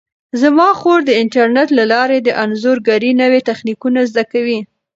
زما خور د انټرنیټ له لارې د انځورګرۍ نوي تخنیکونه زده کوي.